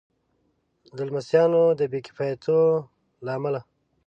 د لمسیانو د بې کفایتیو له امله.